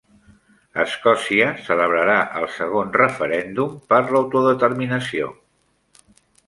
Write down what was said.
Escòcia celebrarà el segon referèndum per l'autodeterminació